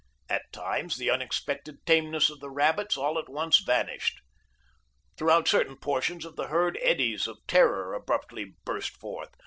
At times the unexpected tameness of the rabbits all at once vanished. Throughout certain portions of the herd eddies of terror abruptly burst forth.